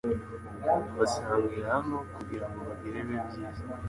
Basangira hano kugirango bagire bibe byiza